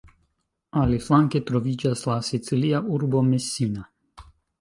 Aliflanke troviĝas la sicilia urbo Messina.